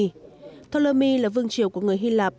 ptolemy là vương chiều của người hy lạp